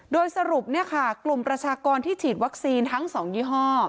โดยสรุปกลุ่มประชากรที่ฉีดวัคซีนทั้ง๒ยี่ห้อ